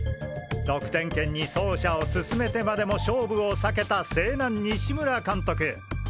得点圏に走者を進めてまでも勝負を避けた勢南西村監督！